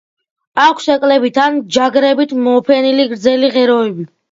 აქვს ეკლებით ან ჯაგრებით მოფენილი გრძელი ღეროები.